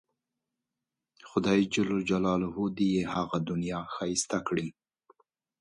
خدای دې یې هغه دنیا ښایسته کړي.